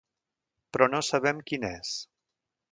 Però no sabem quin és.